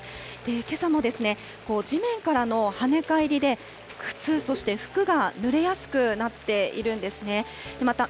けさもですね、地面からの跳ね返りで、靴、そして服がぬれやすくなっているんですね。